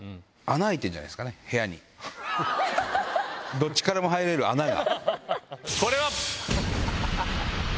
どっちからも入れる穴が。